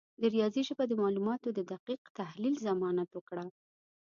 د ریاضي ژبه د معلوماتو د دقیق تحلیل ضمانت وکړه.